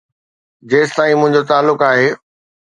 جيستائين منهنجو تعلق آهي.